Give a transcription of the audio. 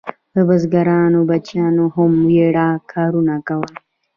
د بزګرانو بچیانو هم وړیا کارونه کول.